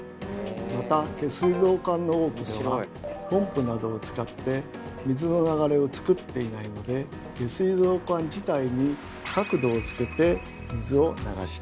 また下水道管の多くではポンプなどを使って水の流れをつくっていないので下水道管自体に角度をつけて水を流しています。